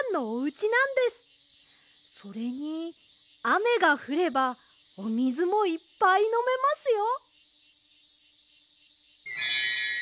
それにあめがふればおみずもいっぱいのめますよ。